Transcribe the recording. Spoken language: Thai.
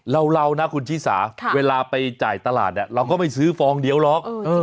เรานะคุณชิสาเวลาไปจ่ายตลาดเนี่ยเราก็ไม่ซื้อฟองเดียวหรอก